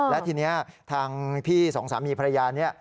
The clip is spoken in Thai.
และทีนี้ทางพี่สองสามีภรรยานี้